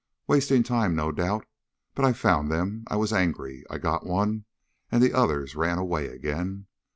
Wasting time, no doubt, but I found them. I was angry. I got one, and the others ran away again.